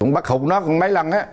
bắt khủng nó mấy lần ấy